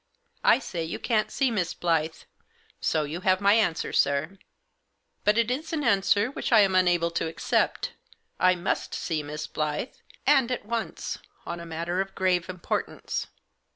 " I say you can't see Miss Blyth, so you have my answer, sir." " But that is an answer which I am unable to accept. I must see Miss Blyth, and at once, on a matter of grave importance."